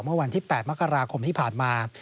เมื่อวันที่๘มกราคมที่ผ่านมา